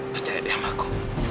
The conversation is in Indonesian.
percayai deh sama aku